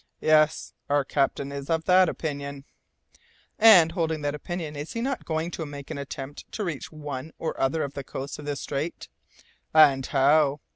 "Yes. Our captain is of that opinion." "And, holding that opinion, is he not going to make an attempt to reach one or other of the coasts of this strait?" "And how?"